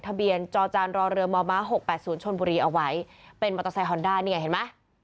จอจานรอเรือมม๖๘๐ชนบุรีเอาไว้เป็นมอเตอร์ไซคอนด้านี่ไงเห็นไหม